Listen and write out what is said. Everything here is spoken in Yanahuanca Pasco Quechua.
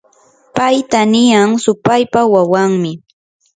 payta niyan supaypa wawanmi.